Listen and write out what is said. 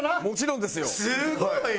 もちろんですよはい。